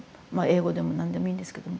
英語でも何でもいいんですけど。